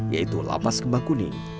yaitu lapas kembang kuning